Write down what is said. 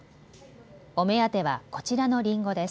お目当てはこちらのりんごです。